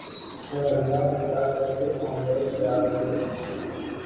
سو اللہ اللہ کر کے آملیٹ تیار ہوئے